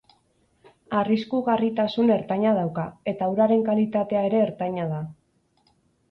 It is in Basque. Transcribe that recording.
Arriskugarritasun ertaina dauka, eta uraren kalitatea ere ertaina da.